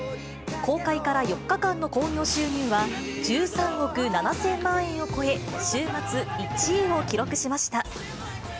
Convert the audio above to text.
公開から４日間の興行収入は、１３億７０００万円を超え、週末１位を記録しました。